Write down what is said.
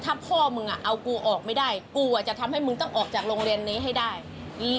ถ้าพ่อมึงอ่ะเอากูออกไม่ได้กูอ่ะจะทำให้มึงต้องออกจากโรงเรียนนี้ให้ได้อืม